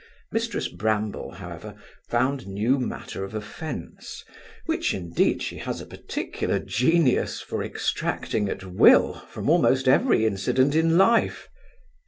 Mrs Bramble, however, found new matter of offence; which, indeed, she has a particular genius for extracting at will from almost every incident in life.